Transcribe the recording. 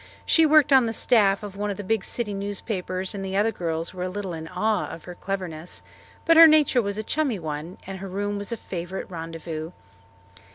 She worked on the staff of one of the big city newspapers and the other girls were a little in awe of her cleverness, but her nature was a "chummy" one and her room was a favourite rendezvous.